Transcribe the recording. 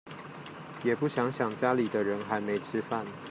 也不想想家裡的人還沒吃飯